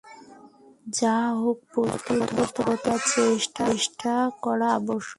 যাহা হউক, পুস্তক হস্তগত করিবার চেষ্টা দেখা আবশ্যক।